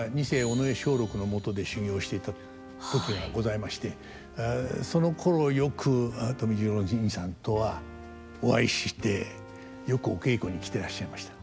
尾上松緑のもとで修業していた時がございましてそのころよく富十郎にいさんとはお会いしてよくお稽古に来てらっしゃいました。